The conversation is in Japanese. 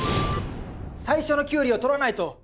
最初のキュウリを取らないと！